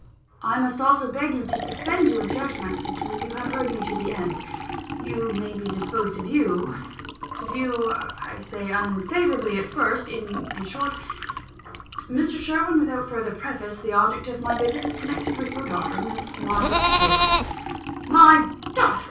"I must also beg you to suspend your judgment until you have heard me to the end. You may be disposed to view to view, I say, unfavourably at first in short, Mr. Sherwin, without further preface, the object of my visit is connected with your daughter, with Miss Margaret Sherwin " "My daughter!